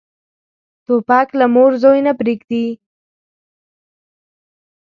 توپک له مور زوی نه پرېږدي.